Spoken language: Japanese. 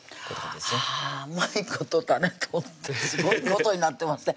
はぁうまいこと種取ってすごいことになってますね